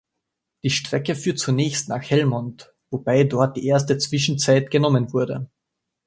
Die Strecke führte zunächst nach Helmond, wobei dort die erste Zwischenzeit genommen wurde.